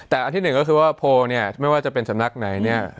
แต่อันที่หนึ่งก็คือว่าโพลเนี่ยไม่ว่าจะเป็นสำนักไหนเนี่ย